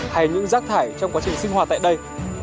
hay những rác thải trong quá trình sinh hoạt tại đây